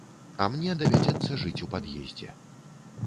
А мне давядзецца жыць у пад'ездзе.